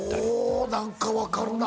何か分かるな。